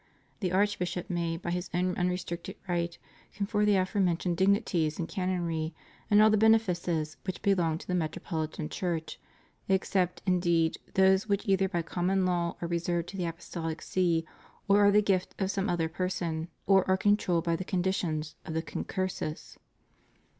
The archbishop may by his own unrestricted right confer the aforementioned dignities^ the canonry, and all the benefices which belong to the Metropohtan Church; except, indeed, those which either by conmion law are reserved to the Apostohc See, or are the gift of some other person, or are controlled by the conditions of the concursus.